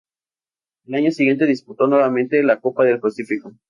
Al año siguiente disputó nuevamente la Copa del Pacífico.